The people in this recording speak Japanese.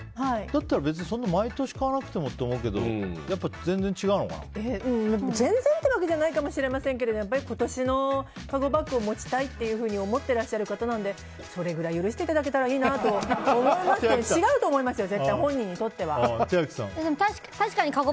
だったら別に毎年買わなくてもって思うけど全然ってわけじゃないかもしれないですけどやっぱり今年のカゴバッグを持ちたいと思っていらっしゃる方なのでそれぐらい許していただけたらいいなと思いますけど。